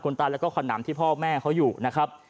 ตายแล้วก็ขนำที่พ่อแม่เขาอยู่นะครับ